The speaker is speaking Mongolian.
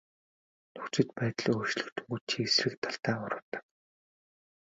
Нөхцөл байдал өөрчлөгдөнгүүт чи эсрэг талдаа урвадаг.